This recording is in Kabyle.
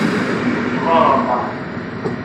Ẓẓareɣ Dan.